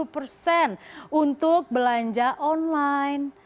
lima puluh persen untuk belanja online